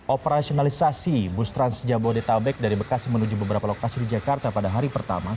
operasionalisasi bus trans jabodetabek dari bekasi menuju beberapa lokasi di jakarta pada hari pertama